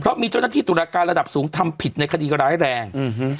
เพราะมีเจ้าหน้าที่ตุรการระดับสูงทำผิดในคดีร้ายแรง